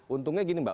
untungnya gini mbak